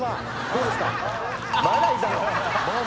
どうですか？